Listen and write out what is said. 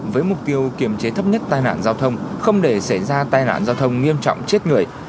với mục tiêu kiểm chế thấp nhất tai nạn giao thông không để xảy ra tai nạn giao thông nghiêm trọng chết người